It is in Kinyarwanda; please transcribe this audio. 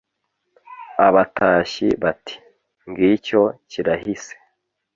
abatashyi bati: “ngicyo kirahise”